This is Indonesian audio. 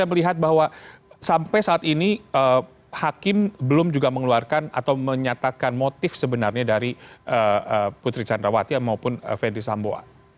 saya melihat bahwa sampai saat ini hakim belum juga mengeluarkan atau menyatakan motif sebenarnya dari putri candrawati maupun fede sambo